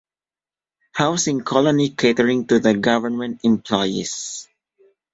Housing Colony catering to the government employees.